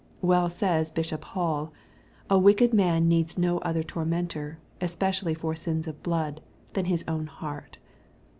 Well says Bishop Hall, "a wicked man needs no other tormentor, especially for sins of blood, than his own heart."